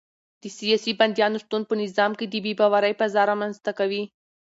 د سیاسي بندیانو شتون په نظام کې د بې باورۍ فضا رامنځته کوي.